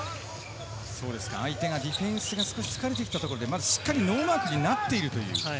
相手がディフェンスが少し疲れてきたところでしっかりノーマークになっているという。